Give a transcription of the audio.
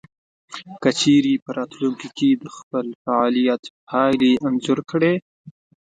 که چېرې په راتلونکې کې د خپل فعاليت پايلې انځور کړئ.